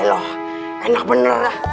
elah elah enak bener